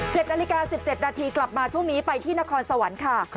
นาฬิกาสิบเจ็ดนาทีกลับมาช่วงนี้ไปที่นครสวรรค์ค่ะ